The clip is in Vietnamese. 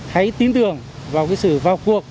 hãy tin tưởng vào cái sự vào cuộc